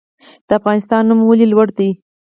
د افغانستان نوم ولې لوړ دی؟